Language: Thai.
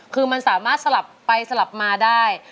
คือมันสามารถสลับไปสลับมาได้